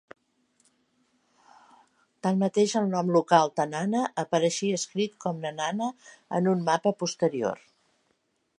Tanmateix, el nom local Tanana apareixia escrit com a "Nenana" en un mapa posterior.